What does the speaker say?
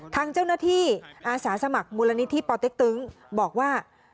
ทางเจ้าหน้าที่อาสาสมัครมูลนิธิปอเต็กตึงบอกว่า